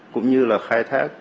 cũng như là khai thác